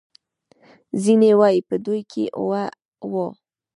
ځینې وايي په دوی کې اوه وو.